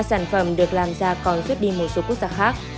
còn được làm ra còn xuyết đi một số quốc gia khác